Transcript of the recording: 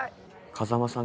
風真さん